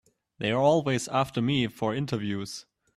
They're always after me for interviews.